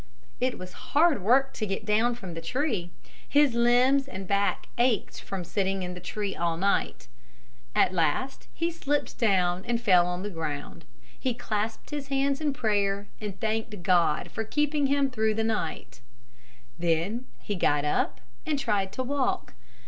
It was hard work to get down from the tree. His limbs and back ached from sitting in the tree all night. At last he slipped down and fell on the ground. He clasped his hands in prayer and thanked God for keeping him through the night. Then he got up and tried to walk.